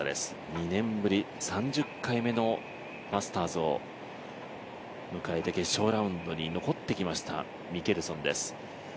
２年ぶり３０回目のマスターズを迎えて決勝ラウンドに残ってきました、ミケルソンです。